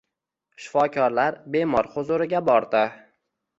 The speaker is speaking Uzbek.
Shifokorlar bemor huzuriga bordi